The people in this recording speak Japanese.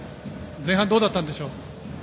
前半どうだったでしょう？